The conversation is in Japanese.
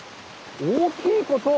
大きいこと！